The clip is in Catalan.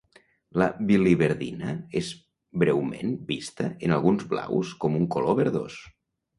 La biliverdina és breument vista en alguns blaus com un color verdós.